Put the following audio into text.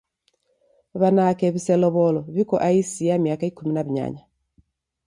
W'anake w'iselow'olo w'iko aisi ya miaka ikumi na w'unyanya.